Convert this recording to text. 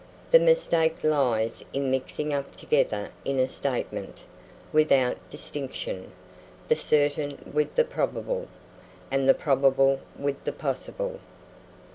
The mistake lies in mixing up together in a statement, without distinction, the certain with the probable, and the probable with the possible.